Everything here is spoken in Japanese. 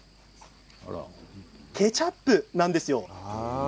ケチャップなんです。